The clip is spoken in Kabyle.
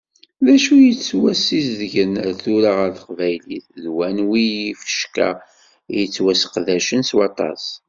D acu i d-yettwasidgen ar tura ɣer teqbaylit, d wanwi yifecka i yettwasseqdacen s waṭas?